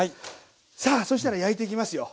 さあそしたら焼いていきますよ。